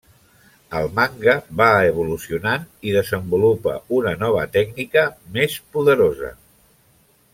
Al manga va evolucionant i desenvolupa una nova tècnica més poderosa.